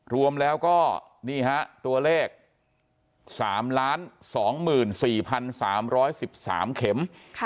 รวมแล้วก็นี่ฮะตัวเลข๓๒๔๓๑๓เข็ม